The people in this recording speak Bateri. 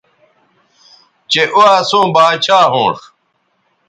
چہء او اسوں باچھا ھونݜ